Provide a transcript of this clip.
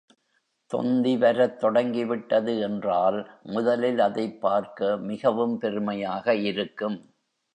தொந்திவரத் தொடங்கிவிட்டது என்றால், முதலில் அதைப் பார்க்க மிகவும் பெருமையாக இருக்கும்.